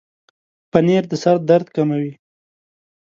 پنېر د سر درد کموي.